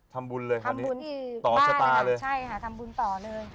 ทำบุญเลยค่ะนี่บุญต่อชะตาเลยใช่ค่ะทำบุญต่อเลย